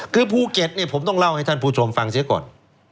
คือภูเก็ตเนี่ยผมต้องเล่าให้ท่านผู้ชมฟังเสียก่อน